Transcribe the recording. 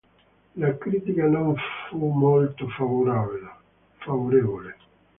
La critica non fu molto favorevole.